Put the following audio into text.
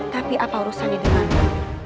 tapi apa urusan didengarkan